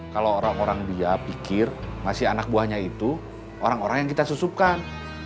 kalau orang orang dia pikir masih anak buahnya itu orang orang yang kita susupkan